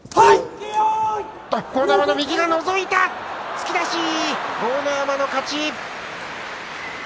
突き出し、豪ノ山の勝ち。